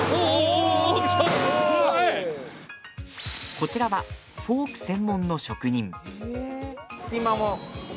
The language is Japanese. こちらはフォーク専門の職人。